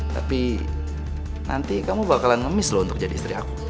tapi nanti kamu bakalan ngemis loh untuk jadi istri aku